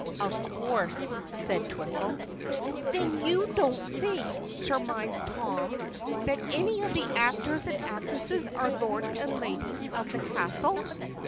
"Of course," said Twiffle. "Then you don't think," surmised Tom, "that any of the actors and actresses are Lords and Ladies of the castle?"